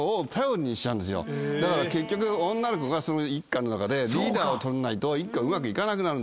だから結局女の子が一家の中でリーダーを取れないと一家うまくいかなくなるんですよどうしても一番上の男の子。